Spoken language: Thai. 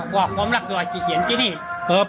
ความรักมันแบบไหนที่เขียนกี่นี่